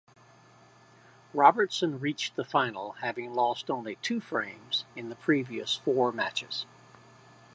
Robertson reached the final having lost only two frames in the previous four matches.